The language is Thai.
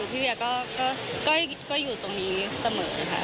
พี่เวียก็อยู่ตรงนี้เสมอค่ะ